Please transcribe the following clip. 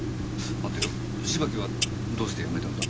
待てよ芝木はどうして辞めたんだ？